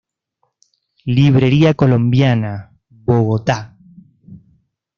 Librería Colombiana, Bogotá.